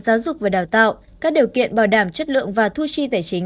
giáo dục và đào tạo các điều kiện bảo đảm chất lượng và thu chi tài chính